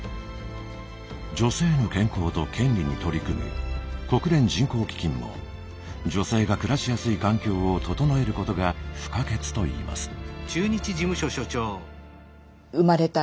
女性の健康と権利に取り組む国連人口基金も女性が暮らしやすい環境を整えることが不可欠といいます。